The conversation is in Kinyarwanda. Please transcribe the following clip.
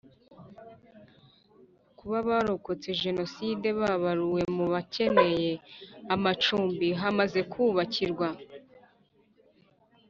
Ku barokotse Jenoside babaruwe mu bakeneye amacumbi hamaze kubakirwa